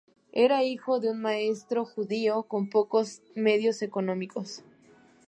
Era hijo de un maestro judío con pocos medios económicos.